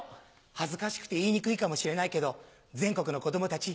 恥ずかしくて言いにくいかもしれないけど全国の子供たち